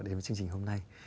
để đến với chương trình hôm nay